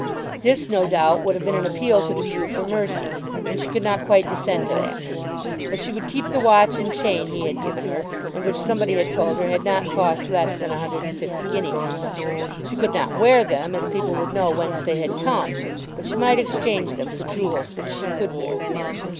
This, no doubt, would have been an appeal to the Jew for mercy; and she could not quite descend to that. But she would keep the watch and chain he had given her, and which somebody had told her had not cost less than a hundred and fifty guineas. She could not wear them, as people would know whence they had come; but she might exchange them for jewels which she could wear.